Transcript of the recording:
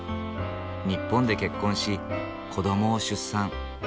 日本で結婚し子どもを出産。